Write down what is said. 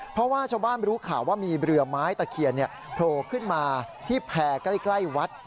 เพราะว่าชาวบ้านรู้ข่าวว่ามีเรือไม้ตะเคียนโผล่ขึ้นมาที่แพร่ใกล้วัด